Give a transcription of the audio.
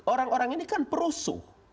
orang orang ini kan perusuh